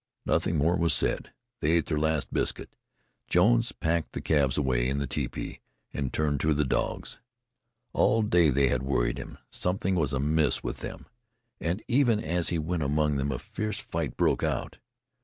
Nothing more was said. They ate their last biscuit. Jones packed the calves away in the tepee, and turned to the dogs. All day they had worried him; something was amiss with them, and even as he went among them a fierce fight broke out.